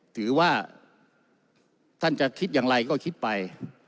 ถือว่าท่านจะคิดอย่างไรก็คิดไป